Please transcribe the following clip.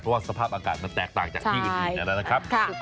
เพราะว่าสภาพอากาศมันแตกต่างจากที่อื่นนะครับ